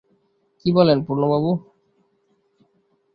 কী বলেন পূর্ণবাবু?